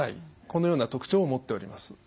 このような特徴を持っております。